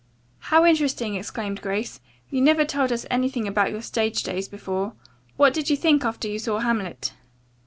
"How interesting!" exclaimed Grace. "You never told us anything about your stage days before. What did you think after you saw 'Hamlet'?"